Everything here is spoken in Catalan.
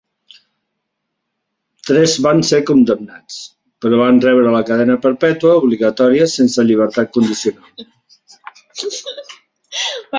Tres van ser condemnats, però van rebre la cadena perpètua obligatòria sense llibertat condicional.